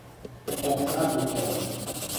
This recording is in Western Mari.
Коктынат уке ылыт.